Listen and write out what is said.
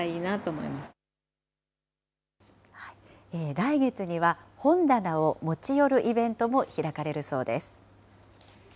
来月には、本棚を持ち寄るイベントも開かれるそうです。